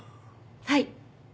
はい。